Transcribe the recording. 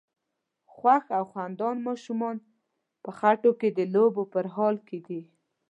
خوښ او خندان ماشومان په خټو کې د لوبو په حال کې دي.